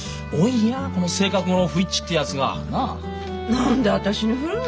何で私に振るの？